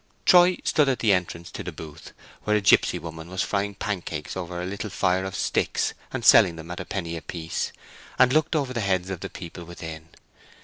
Troy stood at the entrance to the booth, where a gipsy woman was frying pancakes over a little fire of sticks and selling them at a penny a piece, and looked over the heads of the people within.